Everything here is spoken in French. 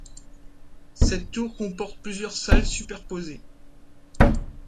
Cette tour comporte plusieurs salles superposées.